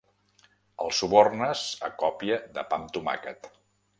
El subornes a còpia de pa amb tomàquet.